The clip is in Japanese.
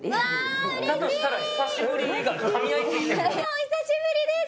お久しぶりです